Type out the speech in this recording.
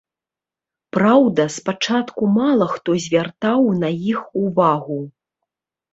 Праўда, спачатку мала хто звяртаў на іх увагу.